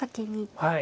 はい。